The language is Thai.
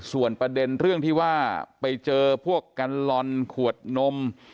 ส่วนประเด็นเรื่องที่ว่าไปเจอพวกกัลลอนขวดนม